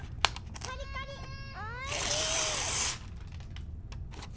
カリカリおいしい！